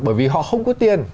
bởi vì họ không có tiền